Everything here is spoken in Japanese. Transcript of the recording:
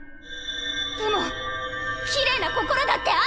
でもきれいな心だってある！